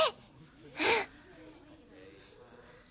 うん！